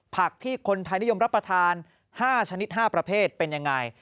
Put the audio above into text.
ที่คนไทยนิยมรับประทาน๕ชนิด๕ประเภทเป็นยังไง